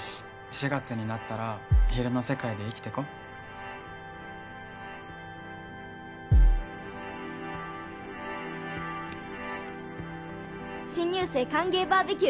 ４月になったら昼の世界で生きてこう「新入生歓迎ＢＢＱ！